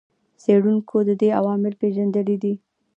څېړونکو د دې عوامل پېژندلي دي.